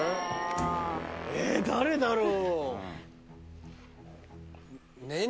え誰だろう？